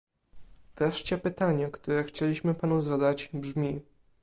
Wreszcie pytanie, które chcieliśmy panu zadać, brzmi